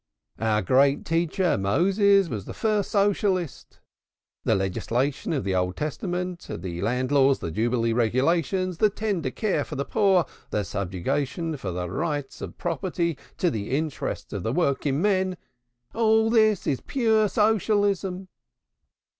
Our great teacher, Moses, was the first Socialist. The legislation of the Old Testament the land laws, the jubilee regulations, the tender care for the poor, the subordination of the rights of property to the interests of the working men all this is pure Socialism!"